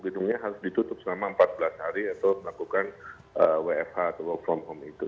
gedungnya harus ditutup selama empat belas hari atau melakukan wfh atau work from home itu